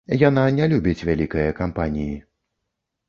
Яна не любіць вялікае кампаніі.